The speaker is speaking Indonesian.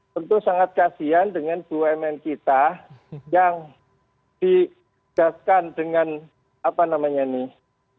tentu sangat kasihan dengan dua umn kita yang dikejaskan dengan apa namanya nih